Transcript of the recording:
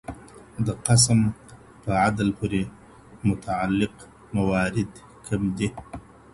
د قسم په عدل پورې متعلق موارد کوم دي؟